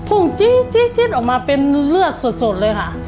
จี๊ดออกมาเป็นเลือดสดเลยค่ะ